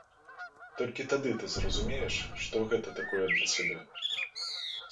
Толькі тады ты зразумееш, што гэта такое для цябе.